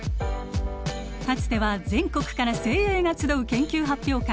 かつては全国から精鋭が集う研究発表会